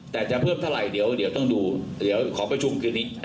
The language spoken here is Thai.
แต่จะเพิ่มเท่าไหร่เดี๋ยวต้องดูเดี๋ยวขอประชุมคืนนี้